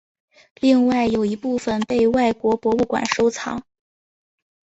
另外有一部份被外国博物馆收藏。